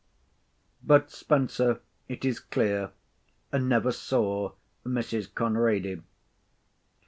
But Spenser, it is clear, never saw Mrs. Conrady.